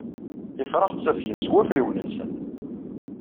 Ifrax ttafgen s wafriwen-nsen.